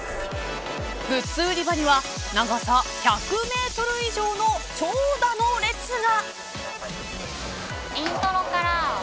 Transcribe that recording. グッズ売り場には長さ１００メートル以上の長蛇の列が。